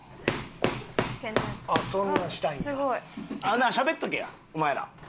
なんかしゃべっとけやお前ら。